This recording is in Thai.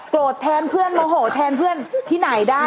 แทนเพื่อนโมโหแทนเพื่อนที่ไหนได้